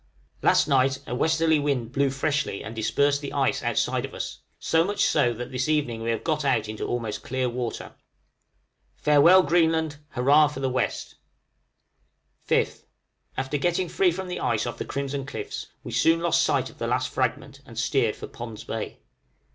Last night a westerly wind blew freshly and dispersed the ice outside of us, so much so that this evening we have got out into almost clear water. Farewell Greenland! hurrah for the west! {FREE FROM THE ICE.} 5th. After getting free from the ice off the Crimson Cliffs, we soon lost sight of the last fragment, and steered for Pond's Bay.